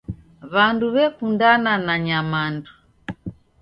Wandu wekundana na nyamandu.